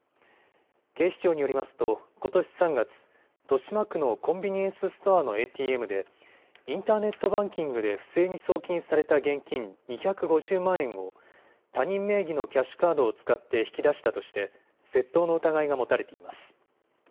警視庁によりますとことし３月、豊島区のコンビニエンスストアのＡＴＭでインターネットバンキングで不正に送金された現金２５０万円を他人名義のキャッシュカードを使って引き出したとして窃盗の疑いが持たれています。